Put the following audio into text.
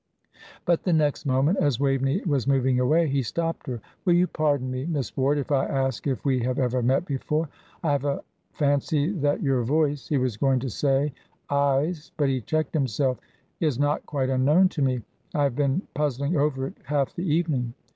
But the next moment, as Waveney was moving away, he stopped her. "Will you pardon me, Miss Ward, if I ask if we have ever met before? I have a fancy that your voice," he was going to say eyes, but he checked himself "is not quite unknown to me. I have been puzzling over it half the evening."